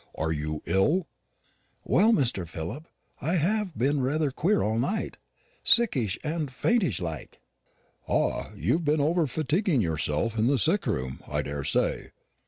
"Are you ill?" "Well, Mr. Philip, I have been rather queer all night, sickish and faintish like." "Ah, you've been over fatiguing yourself in the sick room, I daresay.